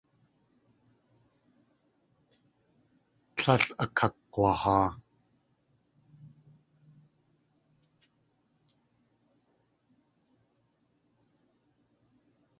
Tlél akakg̲wahaa.